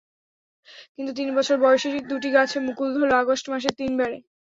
কিন্তু তিন বছর বয়সী দুটি গাছে মুকুল ধরল আগস্ট মাসে তিনবারে।